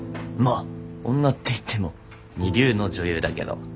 まあ女って言っても二流の女優だけど。